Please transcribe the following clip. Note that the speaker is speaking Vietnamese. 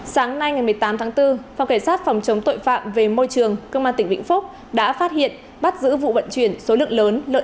sáng nay một mươi tám tháng bốn phòng kể sát phòng chống tội phạm về môi trường cơ quan tỉnh vĩnh phúc đã phát hiện bắt giữ vụ vận chuyển số lượng lớn